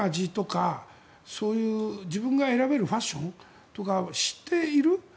自分が選べるファッションとかを知っている。